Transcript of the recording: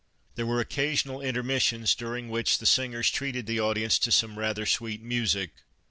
There were occasional intermissions during which the singers treated the audience to some rather sweet music.